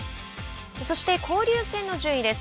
そして、交流戦の順位です。